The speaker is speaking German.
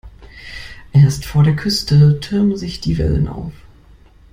Erst vor der Küste türmen sich die Wellen auf.